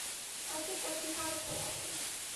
I think that if you have a coin.